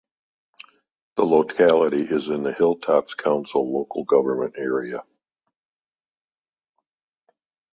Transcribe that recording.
The locality is in the Hilltops Council local government area.